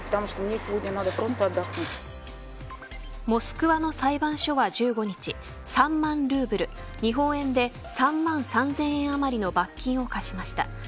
モスクワの裁判所は１５日３万ルーブル、日本円で３万３０００円あまりの罰金を科しました。